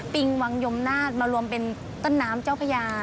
ิงวังยมนาศมารวมเป็นต้นน้ำเจ้าพญา